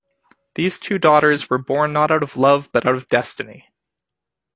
These two daughters were born not out of love but out of destiny.